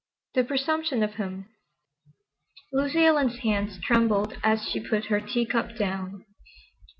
The presumption of him!" Lucy Ellen's hands trembled as she put her teacup down.